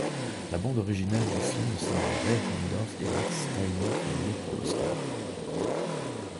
La bande-originale du film signée Ray Heindorf et Max Steiner fut nommée pour l'Oscar.